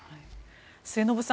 末延さん